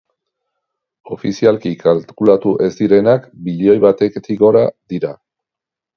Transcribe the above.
Ofizialki kalkulatu ez direnak bilioi batetik gora dira.